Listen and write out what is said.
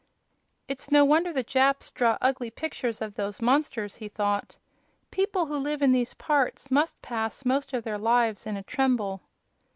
"It's no wonder the Japs draw ugly pictures of those monsters," he thought. "People who live in these parts must pass most of their lives in a tremble."